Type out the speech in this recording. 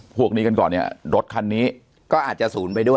พวกนี้กันก่อนเนี่ยรถคันนี้ก็อาจจะศูนย์ไปด้วย